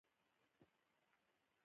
د دې غونډۍ نوم مونټ ټسټاچي و